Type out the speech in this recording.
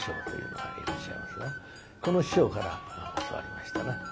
この師匠から教わりましたな。